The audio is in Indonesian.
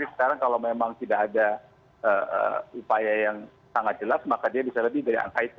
sekarang kalau memang tidak ada upaya yang sangat jelas maka dia bisa lebih dari angka itu